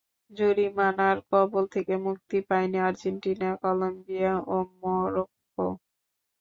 জরিমানার কবল থেকে মুক্তি পায়নি আর্জেন্টিনা, কলম্বিয়া ও মরক্কো।